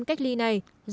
cách ly tập trung